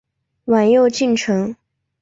晚又进城。